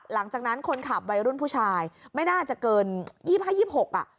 หลังจากนั้นคนขับวัยรุ่นผู้ชายไม่น่าจะเกิน๒๕๒๖อ่ะ